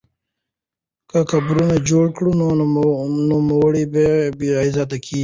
که قبرونه جوړ کړو نو مړي نه بې عزته کیږي.